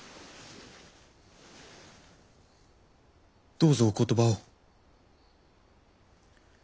どうぞお言葉を。